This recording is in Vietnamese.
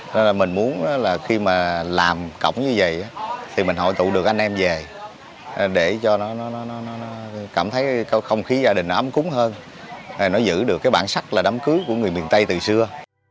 nên là mình muốn là khi mà làm cổng như vậy thì mình hội tụ được anh em về để cho nó cảm thấy không khí gia đình nó ấm cúng hơn nó giữ được cái bản sắc là đám cưới của người miền tây từ xưa